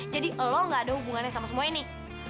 lo gak ada hubungannya sama semua ini